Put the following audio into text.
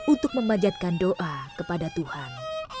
untuk memanjatkan doa kepada tuhan